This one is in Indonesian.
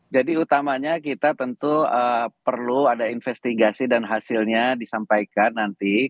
jadi utamanya kita tentu perlu ada investigasi dan hasilnya disampaikan nanti